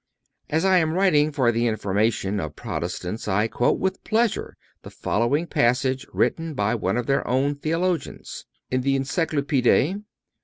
As I am writing for the information of Protestants, I quote with pleasure the following passage, written by one of their own theologians, in the Encyclopédie (Edit.